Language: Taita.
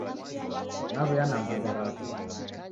Naw'uya na mbande rapo